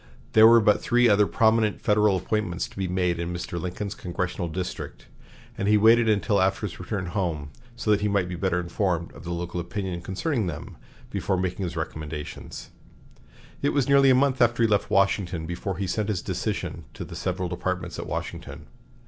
There were but three other prominent Federal appointments to be made in Mr. Lincoln's congressional district, and he waited until after his return home so that he might be better informed of the local opinion concerning them before making his recommendations. It was nearly a month after he left Washington before he sent his decision to the several departments at Washington.